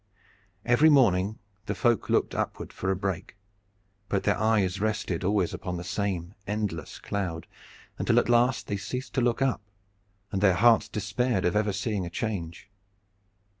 Every morning the folk looked upward for a break, but their eyes rested always upon the same endless cloud, until at last they ceased to look up, and their hearts despaired of ever seeing the change.